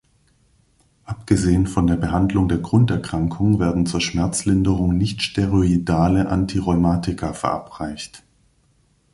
Abgesehen von der Behandlung der Grunderkrankung werden zur Schmerzlinderung nichtsteroidale Antirheumatika verabreicht.